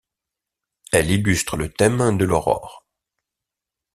Elle illustre le thème de l'aurore.